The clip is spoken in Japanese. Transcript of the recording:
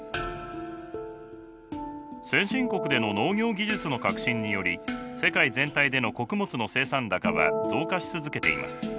先進国での農業技術の革新により世界全体での穀物の生産高は増加し続けています。